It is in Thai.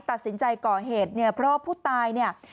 ตัดสินใจก่อเหตุเนี่ยเพราะผู้ตายเนี่ย